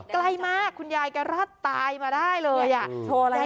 ไกลมากคุณยายจะรอดตายมาได้เลยโชว์อะไรฮะ